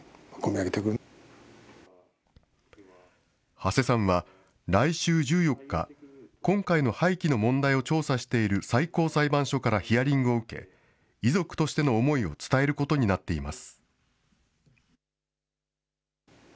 土師さんは、来週１４日、今回の廃棄の問題を調査している最高裁判所からヒアリングを受け、遺族としての思いを伝えることになっています。